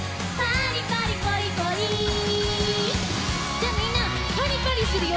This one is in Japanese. じゃあみんなパリパリするよ。